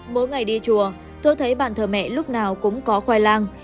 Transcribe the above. mỗi ngày đi chùa tôi thấy bàn thờ mẹ lúc nào cũng có khoai lang